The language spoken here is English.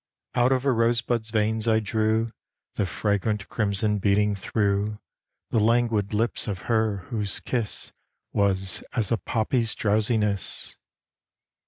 Out of a rose bud's veins I drew The fragrant crimson beating through The languid lips of her, whose kiss Was as a poppy's drowsiness.